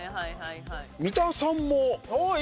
三田さんも。